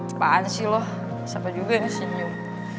apaan sih lo siapa juga yang senyum